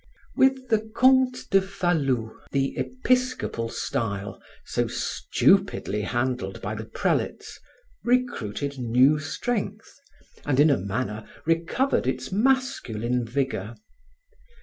With the Comte de Falloux, the episcopal style, so stupidly handled by the prelates, recruited new strength and in a manner recovered its masculine vigor.